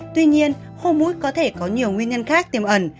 tuy nhiên khô múi có thể có nhiều nguyên nhân khác tiềm ẩn